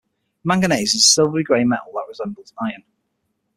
Manganese is a silvery-gray metal that resembles iron.